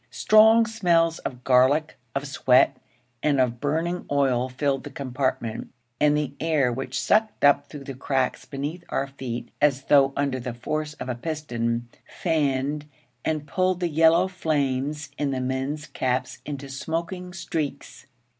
Strong smells of garlic, of sweat, and of burning oil filled the compartment, and the air, which sucked up through the cracks beneath our feet as though under the force of a piston, fanned and pulled the yellow flames in the men's caps into smoking streaks.